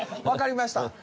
わかりました。